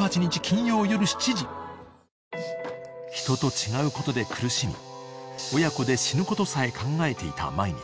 ［人と違うことで苦しみ親子で死ぬことさえ考えていた毎日］